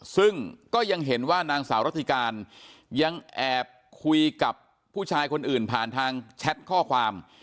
ซึ่งก็ยังเห็นว่านางสาวรัติการยังแอบคุยกับผู้ชายคนอื่นผ่านทางแชทข้อความ